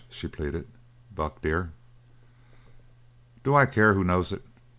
she pleaded. "Buck, dear!" "Do I care who knows it?